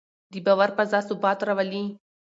د باور فضا ثبات راولي